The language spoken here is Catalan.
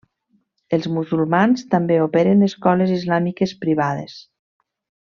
Els musulmans també operen escoles islàmiques privades.